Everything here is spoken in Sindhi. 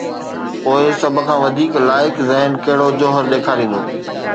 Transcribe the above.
پوءِ سڀ کان وڌيڪ لائق ذهن ڪهڙو جوهر ڏيکاريندو؟